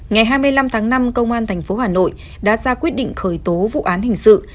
ngày hai mươi năm tháng năm công an tp hà nội đã ra quyết định khởi tố vụ án hình sự